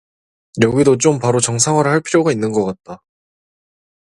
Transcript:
여기도 좀 바로 정상화를 할 필요가 있는 것 같다.